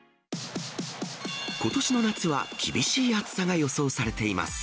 ことしの夏は厳しい暑さが予想されています。